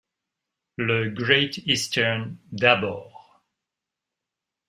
Le Great-Eastern d’abord.